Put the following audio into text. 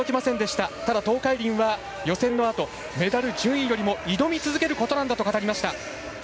ただ、東海林は予選のあとメダル、順位よりも挑み続けることなんだと語りました。